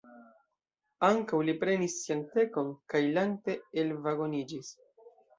Ankaŭ li prenis sian tekon, kaj lante elvagoniĝis.